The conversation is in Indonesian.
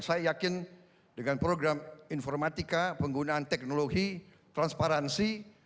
saya yakin dengan program informatika penggunaan teknologi transparansi